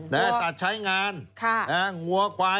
สัตว์ใช้งานหัวไขว